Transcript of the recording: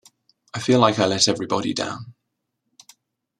I feel like I let everybody down.